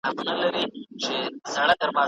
آیا پښتو ژبه د ساینس او ټیکنالوژۍ ژبه کيدای سي؟